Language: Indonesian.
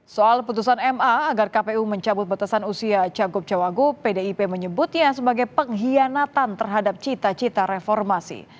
soal putusan ma agar kpu mencabut batasan usia cagup cawagup pdip menyebutnya sebagai pengkhianatan terhadap cita cita reformasi